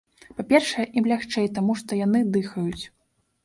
Па-першае, ім лягчэй таму, што яны дыхаюць.